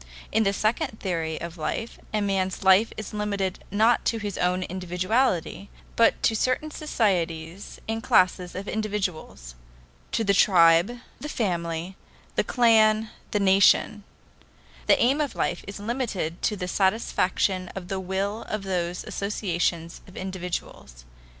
In the second theory of life a man's life is limited not to his own individuality, but to certain societies and classes of individuals: to the tribe, the family, the clan, the nation; the aim of life is limited to the satisfaction of the will of those associations of individuals.